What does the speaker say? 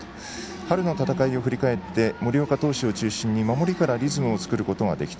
春の戦いを振り返って森岡投手を中心に守りからリズムを作ることができた。